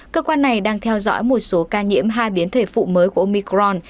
cơ quan này đang theo dõi một số ca nhiễm hai biến thể phụ mới của omicron